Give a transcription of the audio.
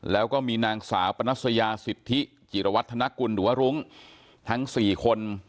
แล้วก็มีนางสาวปนัสยาสิทธิจิรวัฒนกุลหรือว่ารุ้งทั้ง๔คน